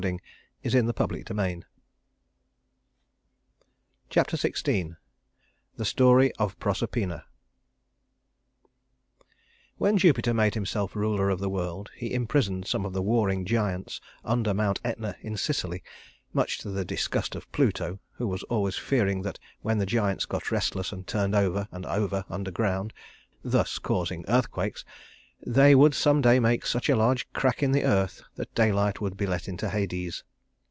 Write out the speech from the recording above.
[Illustration: The Abduction of Proserpina] Chapter XVI The Story of Proserpina When Jupiter made himself ruler of the world, he imprisoned some of the warring giants under Mount Etna in Sicily, much to the disgust of Pluto, who was always fearing that when the giants got restless and turned over and over underground (thus causing earthquakes), they would some day make such a large crack in the earth that daylight would be let into Hades.